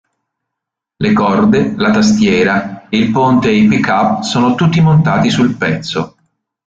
Le corde, la tastiera, il ponte e i pickup sono tutti montati sul pezzo.